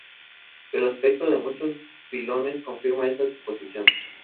El aspecto de muchos filones confirma esa suposición.